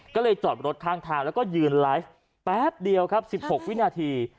ก็เลยจอดรถข้างทางแล้วก็ยืนไลฟ์แป๊บเดียวครับ๑๖วินาที